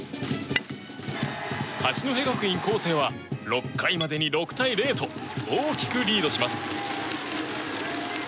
八戸学院光星は６回までに６対０と大きくリードします。